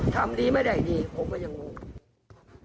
ทำดีไม่ได้ดีผมก็ยังงง